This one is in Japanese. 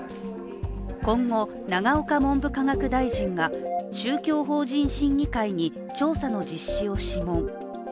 今後、永岡文部科学大臣が宗教法人審議会に調査の実施を諮問。